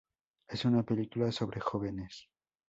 Es una película sobre jóvenes.